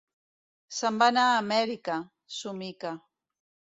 Se'n va anar a Amèrica –somica.